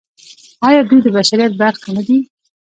آیا دوی د بشریت برخه نه دي؟